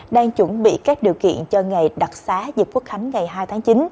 đang chuẩn bị các điều kiện cho ngày đặc sá dịch quốc khánh ngày hai tháng chín